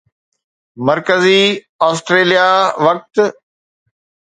مرڪزي آسٽريليا وقت